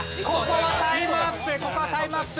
ここはタイムアップ。